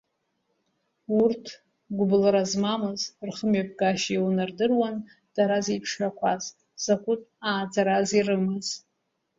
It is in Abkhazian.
Урҭ, гәыблра змамыз, рхымҩаԥгашьа иунардыруан дара зеиԥшрақәаз, закәытә ааӡараз ирымаз.